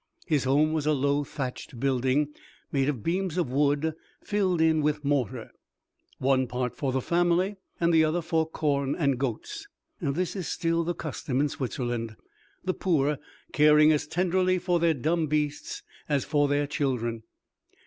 His home was a low, thatched building, made of beams of wood, filled in with mortar, one part for the family, and the other for corn and goats. This is still the custom in Switzerland, the poor caring as tenderly for their dumb beasts as for their children.